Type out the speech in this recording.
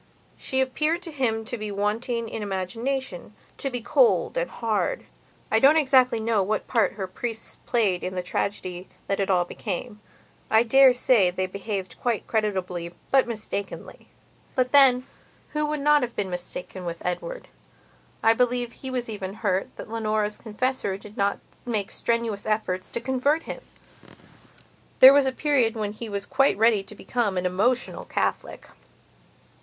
She appeared to him to be wanting in imaginationto be cold and hard. I don't exactly know what part her priests played in the tragedy that it all became; I dare say they behaved quite creditably but mistakenly. But then, who would not have been mistaken with Edward? I believe he was even hurt that Leonora's confessor did not make strenuous efforts to convert him. There was a period when he was quite ready to become an emotional Catholic.